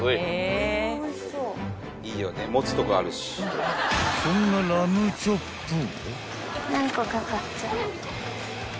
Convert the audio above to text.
［そんなラムチョップを］